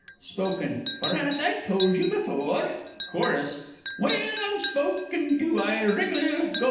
Spoken For, as I told you before, Chorus When I'm spoken to, I wriggle, &c.